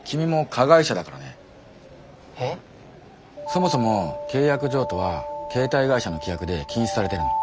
そもそも契約譲渡は携帯会社の規約で禁止されてるの。